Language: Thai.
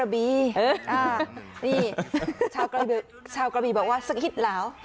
นี่ชาวกระบีบอกว่าสักฮิตเหรอ